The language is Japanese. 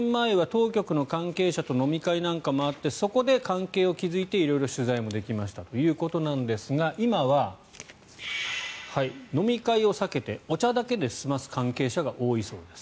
前回、６年前は当局の関係者と飲み会なんかもあってそこで関係を築いて色々取材できましたということなんですが今は飲み会を避けてお茶だけで済ます関係者が多いそうです。